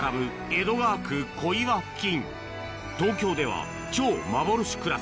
江戸川区小岩付近